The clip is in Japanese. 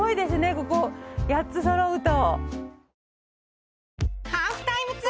ここ８つ揃うと。